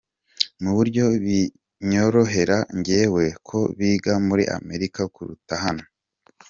Mu buryo binyorohera njyewe ko biga muri Amerika kuruta hano.